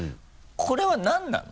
これは何なの？